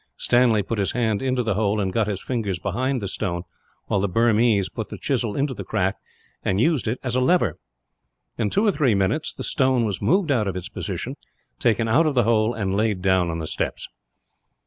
Stanley put his hand into the hole, and got his fingers behind the stone; while the Burmese put the chisel into the crack, and used it as a lever. In two or three minutes the stone was moved out of its position, taken out of the hole, and laid down on the steps.